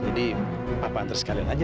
jadi papa antar sekalian aja